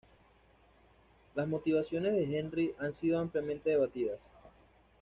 Las motivaciones de Henry han sido ampliamente debatidas.